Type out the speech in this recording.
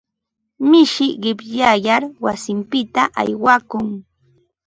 Mishi qishyayar wasinpita aywakun.